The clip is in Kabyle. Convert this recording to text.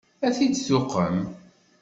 Ad t-id-tuqem?